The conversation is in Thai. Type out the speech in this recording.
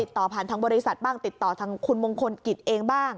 ต่อผ่านทางบริษัทบ้างติดต่อทางคุณมงคลกิจเองบ้าง